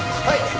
はい！